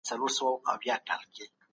د جرګي په فضا کي به د سولې او ډاډ فضا وه.